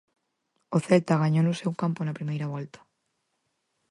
O Celta gañou no seu campo na primeira volta.